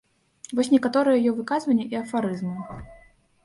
Вось некаторыя яе выказванні і афарызмы.